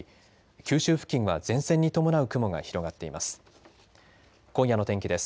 九州付近は前線に伴う雲が広がっています。